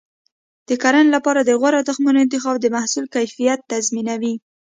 د کرنې لپاره د غوره تخمونو انتخاب د محصول کیفیت تضمینوي.